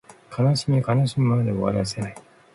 悲しみは悲しみのままでは終わらせない